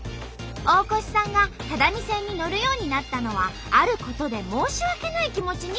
大越さんが只見線に乗るようになったのはあることで申し訳ない気持ちになったからです。